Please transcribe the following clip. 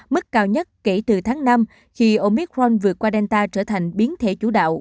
mức cao nhất kể từ tháng năm khi omicron vượt qua delta trở thành biến thể chủ đạo